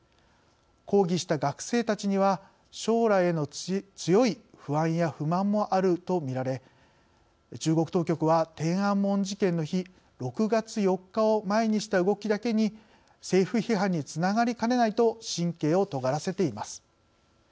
抗議した学生たちには将来への強い不安や不満もあるとみられ中国当局は天安門事件の日６月４日を前にした動きだけに政府批判につながりかねないと神経をとがらせています。